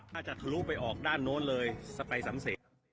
ถ้าจะทะลุไปออกด้านโน้นเลยสไปสันเสก